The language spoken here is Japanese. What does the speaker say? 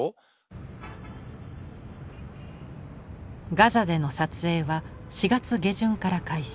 ガザでの撮影は４月下旬から開始。